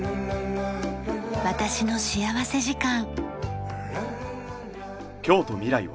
『私の幸福時間』。